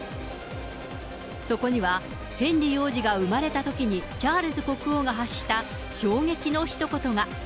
そこには、ヘンリー王子が生まれたときに、チャールズ国王が発した衝撃のひと言が。